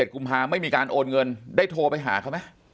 กุมภาไม่มีการโอนเงินได้โทรไปหาเขาไหม